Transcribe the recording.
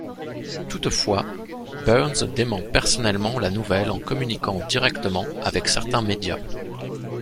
Toutefois, Burns dément personnellement la nouvelle en communiquant directement avec certains médias.